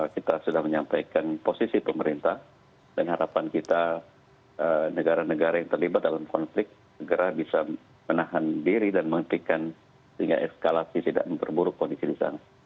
kita sudah menyampaikan posisi pemerintah dan harapan kita negara negara yang terlibat dalam konflik segera bisa menahan diri dan menghentikan sehingga eskalasi tidak memperburuk kondisi di sana